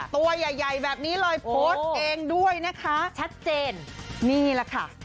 ตัวใหญ่ใหญ่แบบนี้เลยโพสต์เองด้วยนะคะชัดเจนนี่แหละค่ะ